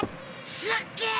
すっげぇ！